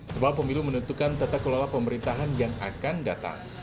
sebab pemilu menentukan tata kelola pemerintahan yang akan datang